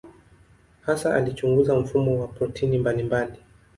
Hasa alichunguza mfumo wa protini mbalimbali.